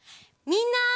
みんな！